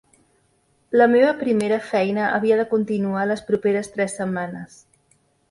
La meva primera feina havia de continuar les properes tres setmanes.